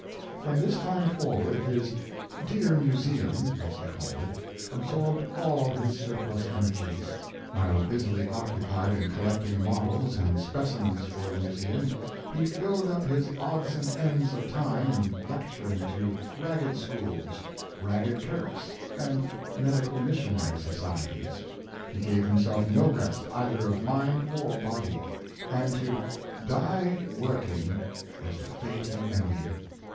From this time forward, his '^ dear museum, ' as he called it, absorbed all his surplus energies. While busily occupied in collecting models and specimens for the museum, he filled up his odds and ends of time in lec turing to Ragged Schools, Ragged Kirks, and Medical Missionary Societies. He gave himself no rest, either of mind or body; and to " die working " was the fate he envied.